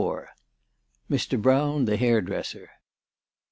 MR. BROWN THE HAIRDRESSER.